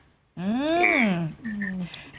อืม